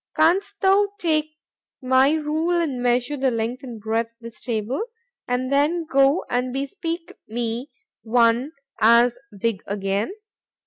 _—Can'st not thou take my rule, and measure the length and breadth of this table, and then go and bespeak me one as big again?